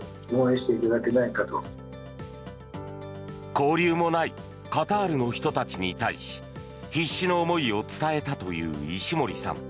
交流もないカタールの人たちに対し必死の思いを伝えたという石森さん。